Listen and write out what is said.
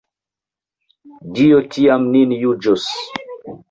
Dio tiam nin juĝos!